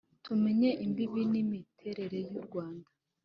tumenye imbibi n'imiterere y'u rwanda